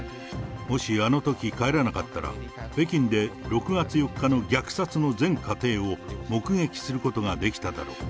もしあのとき帰らなかったら、北京で６月４日の虐殺の全過程を目撃することができただろう。